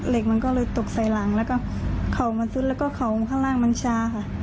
เหล็กมันก็เลยตกใส่หลังแล้วก็เข่ามันซุดแล้วก็เข่าข้างล่างมันชาค่ะ